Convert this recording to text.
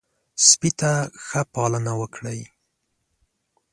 سپي ته ښه پالنه وکړئ.